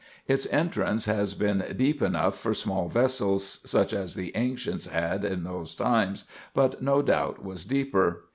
Its entrance has been deep enough for small vessels, such as the ancients had at those times, but no doubt was deeper.